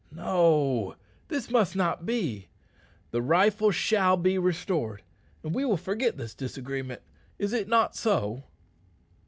No; this must not be. The rifle shall be restored, and we will forget this disagreement. Is it not so?"